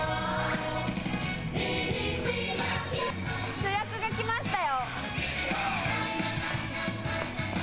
主役が来ましたよ。